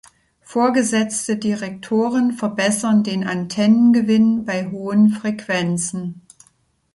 Vorgesetzte Direktoren verbessern den Antennengewinn bei hohen Frequenzen.